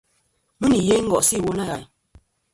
Mɨ nì yeyn ngo'sɨ iwo nâ ghàyn.